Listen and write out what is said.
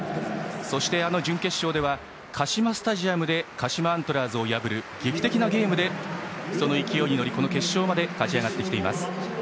そして、あの準決勝ではカシマスタジアムで鹿島アントラーズを破り劇的なゲームで、その勢いで決勝まで勝ち上がってきています。